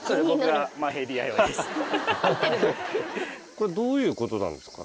これどういうことなんですか？